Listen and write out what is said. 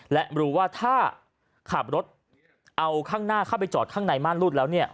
และรู้ว่าถ้าขับรถเอาข้างหน้าเข้าไปจอดข้างในม่านรูดแล้ว